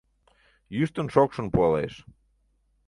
Йӱштын-шокшын пуалеш.